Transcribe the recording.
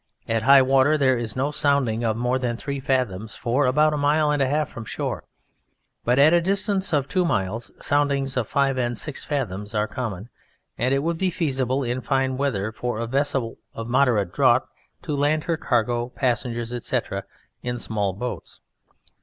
At high water there is no sounding of more than three fathoms for about a mile and a half from shore; but at a distance of two miles soundings of five and six fathoms are common, and it would be feasible in fine weather for a vessel of moderate draught to land her cargo, passengers, etc. in small boats.